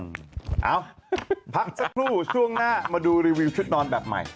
เอ้าพักสักครู่ช่วงหน้ามาดูรีวิวชุดนอนแบบใหม่